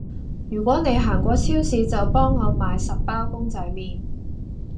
如果你行過超市就幫我買十包公仔麵